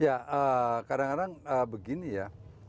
ya kadang kadang begini ya